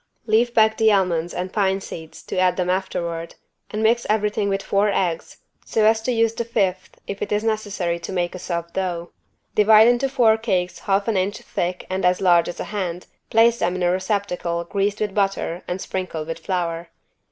Leave back the almonds and pine seeds to add them afterward, and mix everything with four eggs, so as to use the fifth if it is necessary to make a soft dough. Divide into four cakes half an inch thick and as large as a hand, place them in a receptacle greased with butter and sprinkled with flour.